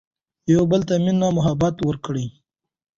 يو بل ته مينه محبت ور کړي